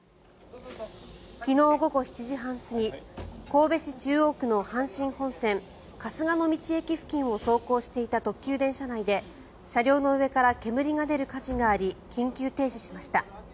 昨日午後７時半過ぎ神戸市中央区の阪神本線春日野道駅付近を走行していた特急電車内で車両の上から煙が出る火事があり緊急停止しました。